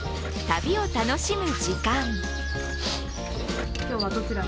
旅を楽しむ時間。